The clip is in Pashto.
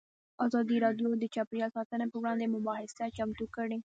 ازادي راډیو د چاپیریال ساتنه پر وړاندې یوه مباحثه چمتو کړې.